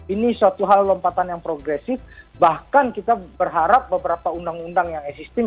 ini suatu hal lompatan yang progresif bahkan kita berharap beberapa undang undang yang existing